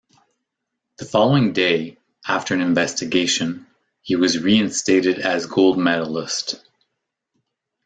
The following day, after an investigation, he was reinstated as gold medallist.